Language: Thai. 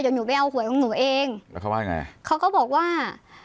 เดี๋ยวหนูไปเอาหวยของหนูเองแล้วเขาว่าไงเขาก็บอกว่า